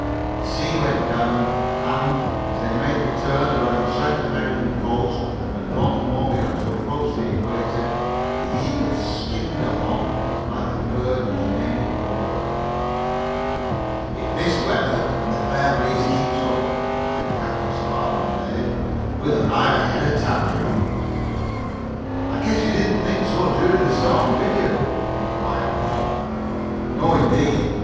The sea went down, and, as they made the turn around the South American coast and once more began to approach the equator, the Eagle skimmed along like the bird whose name it bore. "If this weather and the fair breezes keep up," said Captain Spark one day, "we'll arrive ahead of time." "I guess you didn't think so during the storm, did you?" inquired Bob. "No indeed!